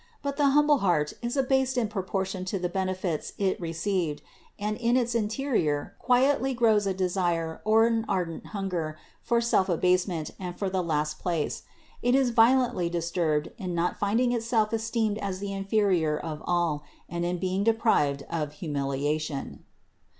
But the humble heart is abased in proportion to the benefits it received, and in its in terior quietly grows a desire or an ardent hunger for self abasement and for the last place ; it is violently dis turbed in not finding itself esteemed as the inferior of all and in being deprived of humiliation.